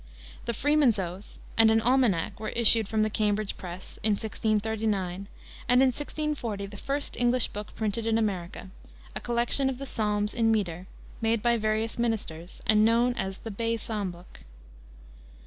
"The Freeman's Oath" and an almanac were issued from the Cambridge press in 1639, and in 1640 the first English book printed in America, a collection of the psalms in meter, made by various ministers, and known as the Bay Psalm Book.